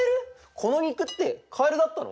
この肉ってかえるだったの！？